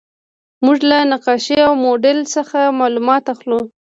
موږ له نقشې او موډل څخه معلومات اخلو.